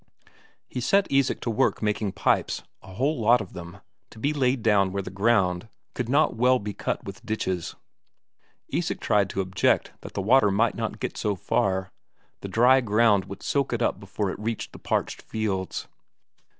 He set Isak to work making pipes, a whole lot of them, to be laid down where the ground could not well be cut with ditches. Isak tried to object that the water might not get so far; the dry ground would soak it up before it reached the parched fields.